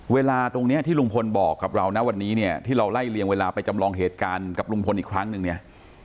เวลาตรงนี้ที่ลุงพลบอกกับเรานะวันนี้เนี่ยที่เราไล่เลี่ยงเวลาไปจำลองเหตุการณ์กับลุงพลอีกครั้งนึงเนี่ย